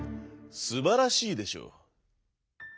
すばらしいでしょう？」。